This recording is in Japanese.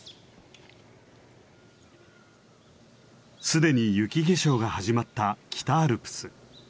既に雪化粧が始まった北アルプス。